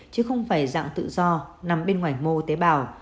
chứ không phải dạng tự do nằm bên ngoài mô tế bào